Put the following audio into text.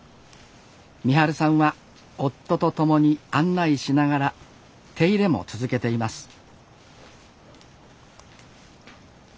美晴さんは夫と共に案内しながら手入れも続けています